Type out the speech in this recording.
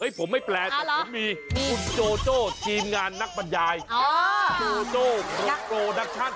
ผมไม่แปลแต่ผมมีคุณโจโจ้ทีมงานนักบรรยายโจโจ้โปรโปรดักชั่น